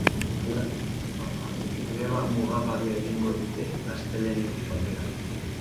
Egoera aldatzen ez bada, greba mugagabea egingo dute astelehenetik aurrera.